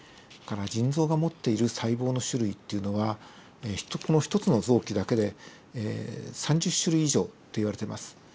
腎臓が持っている細胞の種類っていうのはこの一つの臓器だけで３０種類以上といわれてます。